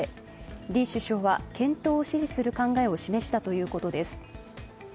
李首相は、検討を指示する考えを示したということです。